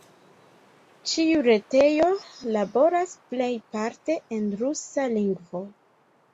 Ĉiu retejo laboras plejparte en rusa lingvo.